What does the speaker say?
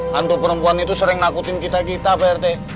hantu perempuan itu sering nakutin kita kita pak rt